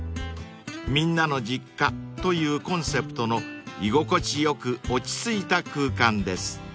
［みんなの実家というコンセプトの居心地良く落ち着いた空間です］